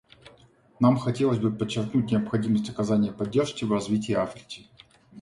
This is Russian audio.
Нам хотелось бы подчеркнуть необходимость оказания поддержки в развитии Африки.